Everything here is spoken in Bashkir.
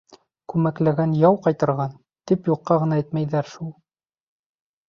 Күмәкләгән яу ҡайтарған, тип юҡҡа гына әйтмәйҙәр шул.